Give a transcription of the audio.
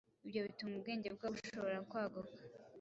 Ibyo bituma ubwenge bwabo bushobora kwaguka.